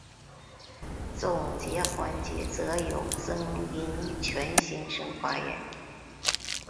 总结环节则由曾荫权先发言。